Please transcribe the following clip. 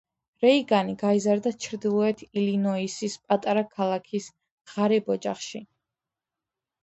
რეიგანი გაიზარდა ჩრდილოეთი ილინოისის პატარა ქალაქის ღარიბ ოჯახში.